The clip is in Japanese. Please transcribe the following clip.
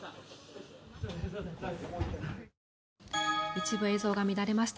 一部映像が乱れました。